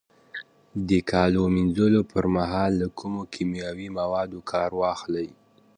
د کالو مینځلو پر مهال له کمو کیمیاوي موادو کار واخلئ.